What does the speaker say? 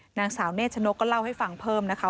หนังสาวเนธชนก็นองให้ฟังเพิ่มนะคะ